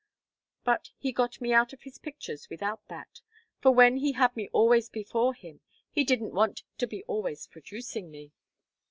But he got me out of his pictures without that; for when he had me always before him he didn't want to be always producing me.